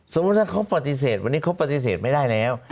สมมุติถ้าเขาปฏิเสธวันนี้เขาปฏิเสธไม่ได้แล้ว